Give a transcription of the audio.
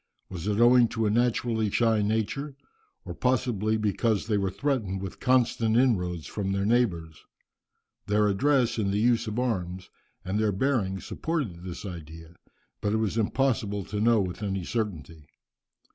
Was it owing to a naturally shy nature? or possibly because they were threatened with constant inroads from their neighbours. Their address in the use of arms and their bearing supported this idea, but it was impossible to know with any certainty.